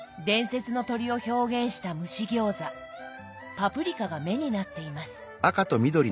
パプリカが眼になっています。